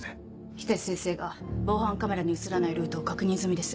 常陸先生が防犯カメラに写らないルートを確認済みです。